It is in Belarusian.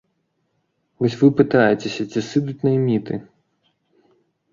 Вось вы пытаецеся, ці сыдуць найміты.